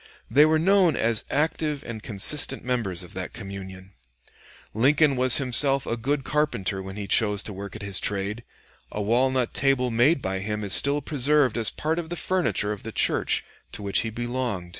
They were known as active and consistent members of that communion. Lincoln was himself a good carpenter when he chose to work at his trade; a walnut table made by him is still preserved as part of the furniture of the church to which he belonged.